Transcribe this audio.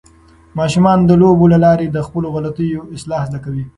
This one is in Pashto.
ماشومان د لوبو له لارې د خپلو غلطیو اصلاح زده کوي.